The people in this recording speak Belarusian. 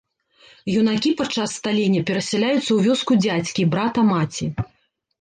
Юнакі падчас сталення перасяляюцца ў вёску дзядзькі, брата маці.